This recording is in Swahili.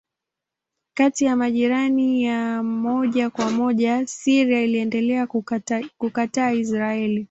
Kati ya majirani ya moja kwa moja Syria iliendelea kukataa Israeli.